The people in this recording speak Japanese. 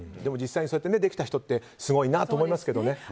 実際にできた人ってすごいなと思いますけどね。